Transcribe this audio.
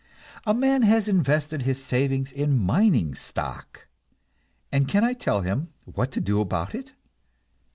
A man has invested his savings in mining stock, and can I tell him what to do about it?